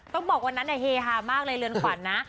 บอกวันนั้นเฮฮามากเลยเรือนขวัญนะ